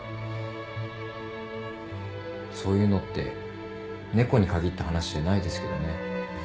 そういうのって猫に限った話じゃないですけどね。